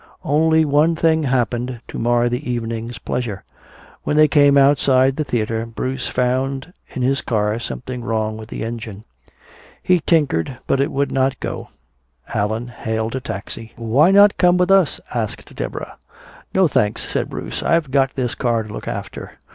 Only one thing happened to mar the evening's pleasure. When they came outside the theater Bruce found in his car something wrong with the engine. He tinkered but it would not go. Allan hailed a taxi. "Why not come with us?" asked Deborah. "No, thanks," said Bruce. "I've got this car to look after."